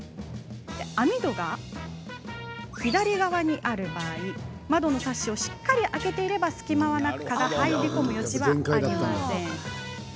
網戸が左側にある場合窓のサッシをしっかり開けていれば隙間はなく蚊が入り込む余地はありません。